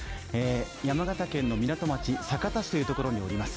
山形県の港町・酒田市というところにおります。